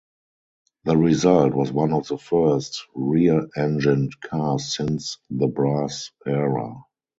The result was one of the first rear-engined cars since the Brass Era.